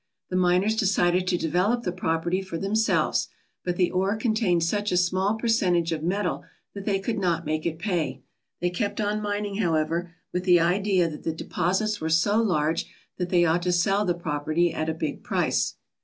The miners decided to develop the property for them selves, but the ore contained such a small percentage of metal that they could not make it pay. They kept on mining, however, with the idea that the deposits were so large that they ought to sell the property at a big price.